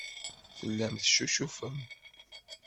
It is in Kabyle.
Tellam teccucufem.